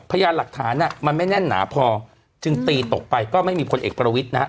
พยานหลักฐานมันไม่แน่นหนาพอจึงตีตกไปก็ไม่มีพลเอกประวิทย์นะฮะ